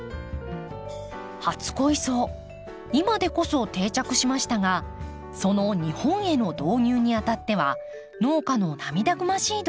初恋草今でこそ定着しましたがその日本への導入にあたっては農家の涙ぐましい努力がありました。